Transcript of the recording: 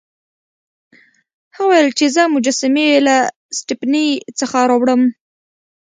هغه وویل چې زه مجسمې له سټپني څخه راوړم.